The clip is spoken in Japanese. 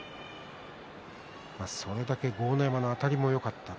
それだけ、豪ノ山のあたりもよかったと。